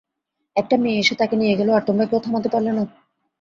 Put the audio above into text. একটা মেয়ে এসে তাকে নিয়ে গেল আর তোমরা কেউ থামাতে পারলে না।